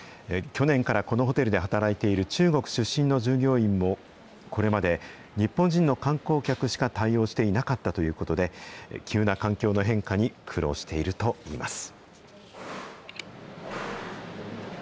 去年から、このホテルで働いている中国出身の従業員も、これまで、日本人の観光客しか対応していなかったということで、急な環境の変化に苦労しているといいます。